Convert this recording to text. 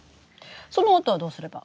そのあとはどうすれば？